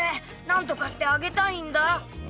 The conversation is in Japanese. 何とかしてあげたいんだ。